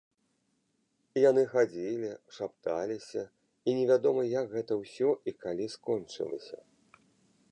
Яны хадзілі, шапталіся, і невядома як гэта ўсё і калі скончылася.